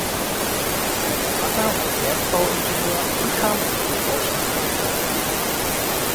Sein Vater war Bergbauingenieur und kam im Goldrausch nach Kalifornien.